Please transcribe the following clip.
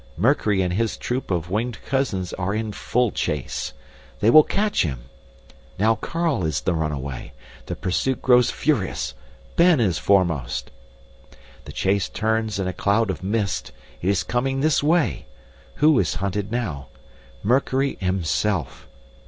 Mercury and his troop of winged cousins are in full chase. They will catch him! Now Carl is the runaway. The pursuit grows furious Ben is foremost! The chase turns in a cloud of mist. It is coming this way. Who is hunted now? Mercury himself.